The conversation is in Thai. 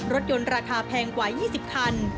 รถยนต์ราคาแพงกว่า๒๐คัน